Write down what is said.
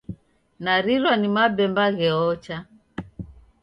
Narirwa ni mabemba gheocha.